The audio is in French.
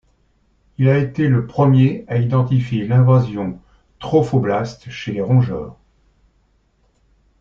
Il a été le premier à identifier l'invasion trophoblaste chez les rongeurs.